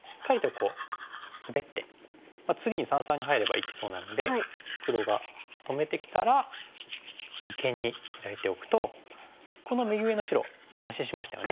次に三々に入れば生きそうなので黒が止めてきたら二間にヒラいておくとこの右上の白安心しましたよね。